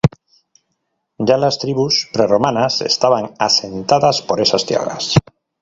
Ya las tribus prerromanas estaban asentadas por esas tierras.